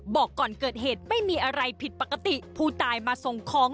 บอกก่อนเกิดเหตุไม่มีอะไรผิดปกติผู้ตายมาส่งของ